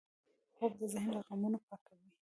خوب د ذهن له غمونو پاکوي